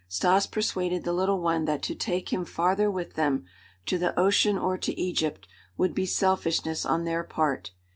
Stas persuaded the little one that to take him farther with them to the ocean or to Egypt would be selfishness on their part.